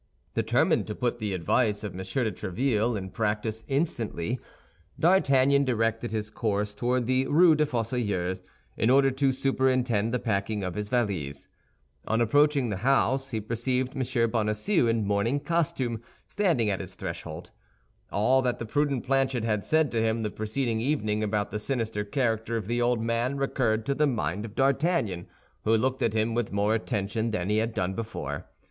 Determined to put the advice of M. de Tréville in practice instantly, D'Artagnan directed his course toward the Rue des Fossoyeurs, in order to superintend the packing of his valise. On approaching the house, he perceived M. Bonacieux in morning costume, standing at his threshold. All that the prudent Planchet had said to him the preceding evening about the sinister character of the old man recurred to the mind of D'Artagnan, who looked at him with more attention than he had done before.